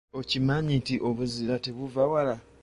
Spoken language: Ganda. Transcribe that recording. Okimanyi nti obuzira tebuvva wala?